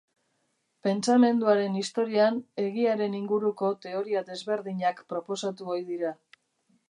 Pentsamenduaren historian egiaren inguruko teoria desberdinak proposatu ohi dira.